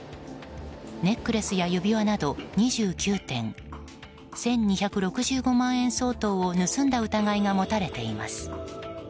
ネックレスや指輪など２９点１２６５万円相当を盗んだ疑いが持たれています。